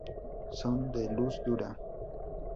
Son de luz dura.